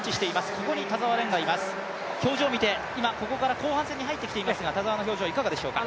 ここに田澤廉がいます、表情を見てここから後半に入っていますが田澤の表情はいかがでしょうか。